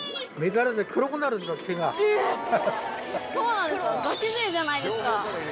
そうなんですか